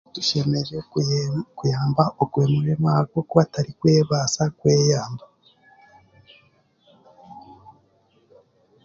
Tushemereire kuyee kuyamba ogwo murema ahabwokuba tarikubaasa kweyamba